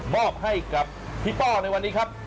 มอบให้กับพี่ป้อในวันนี้ครับ